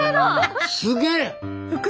すげえ！